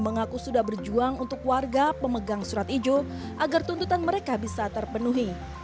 mengaku sudah berjuang untuk warga pemegang surat ijo agar tuntutan mereka bisa terpenuhi